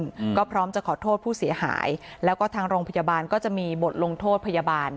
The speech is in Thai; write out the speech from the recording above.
อืมก็พร้อมจะขอโทษผู้เสียหายแล้วก็ทางโรงพยาบาลก็จะมีบทลงโทษพยาบาล